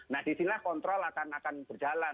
nah disinilah kontrol akan berjalan